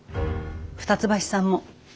二ツ橋さんも。